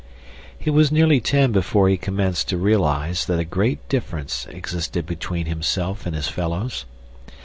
He was nearly ten before he commenced to realize that a great difference existed between himself and his fellows.